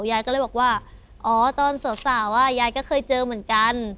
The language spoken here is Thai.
ยายก็เลยบอกว่าอ๋อตอนสาวยายก็เคยเจอเหมือนกัน